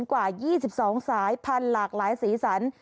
กว่า๒๒สายพันธุ์หลากหลายสีสัน